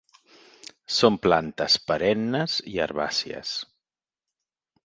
Són plantes perennes i herbàcies.